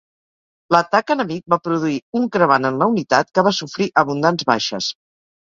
L'atac enemic va produir un crebant en la unitat, que va sofrir abundants baixes.